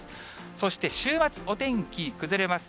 そして週末、お天気崩れます。